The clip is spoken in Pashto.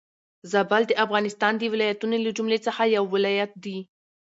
زابل د افغانستان د ولايتونو له جملي څخه يو ولايت دي.